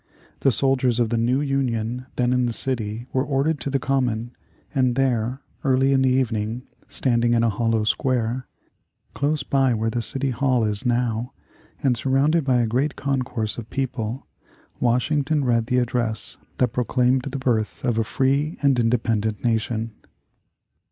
The soldiers of the new Union then in the city were ordered to the Common, and there, early in the evening, standing in a hollow square close by where the City Hall is now and surrounded by a great concourse of people, Washington read the address that proclaimed the birth of a free and independent nation.